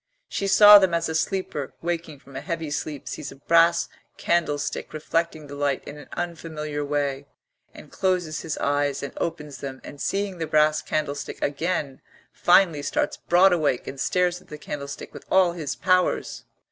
She saw them as a sleeper waking from a heavy sleep sees a brass candlestick reflecting the light in an unfamiliar way, and closes his eyes and opens them, and seeing the brass candlestick again, finally starts broad awake and stares at the candlestick with all his powers.